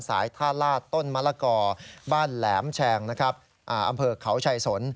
สายท่าลาดต้นมะละกอบ้านแหลมแชงนะครับอำเภอเขาชายสน